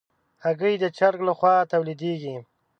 هګۍ د چرګ له خوا تولیدېږي.